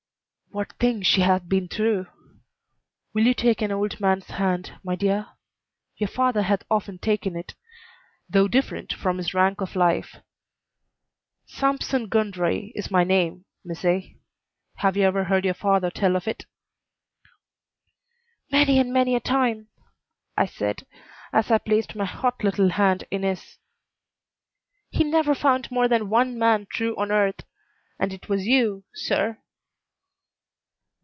"What things she hath been through! Will you take an old man's hand, my dear? Your father hath often taken it, though different from his rank of life. Sampson Gundry is my name, missy. Have you ever heard your father tell of it?" "Many and many a time," I said, as I placed my hot little hand in his. "He never found more than one man true on earth, and it was you, Sir."